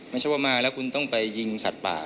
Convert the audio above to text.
ไม่ใช่ว่ามาแล้วคุณต้องไปยิงสัตว์ป่า